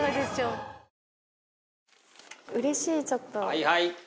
はいはい。